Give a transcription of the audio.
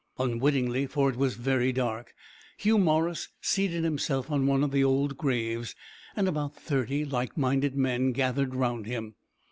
Unwittingly, for it was very dark, Hugh Morris seated himself on one of the old graves, and about thirty like minded men gathered round him.